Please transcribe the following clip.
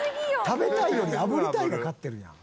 「食べたいより炙りたいが勝ってるやん」